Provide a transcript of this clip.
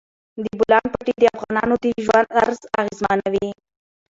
د بولان پټي د افغانانو د ژوند طرز اغېزمنوي.